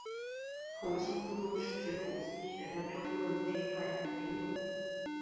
统计误用是指统计学的争论被断言为谬误。